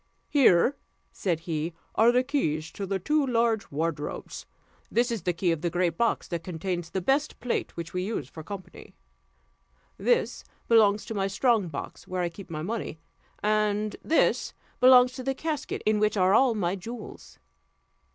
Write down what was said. "Here," said he, "are the keys of the two large wardrobes. This is the key of the great box that contains the best plate, which we use for company, this belongs to my strong box, where I keep my money, and this belongs to the casket, in which are all my jewels.